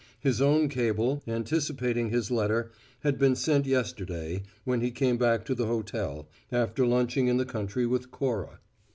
His own cable, anticipating his letter, had been sent yesterday, when he came back to the hotel, after lunching in the country with Cora.